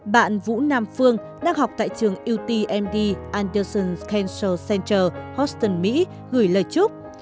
bạn vũ nam phương đang học tại trường utmd anderson cancer center austin mỹ gửi lời chúc